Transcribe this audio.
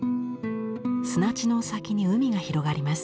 砂地の先に海が広がります。